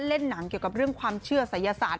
เล่นหนังเกี่ยวกับเรื่องความเชื่อศัยศาสต